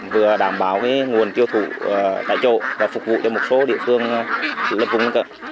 vừa đảm bảo nguồn tiêu thụ tại chỗ và phục vụ cho một số địa phương lập vùng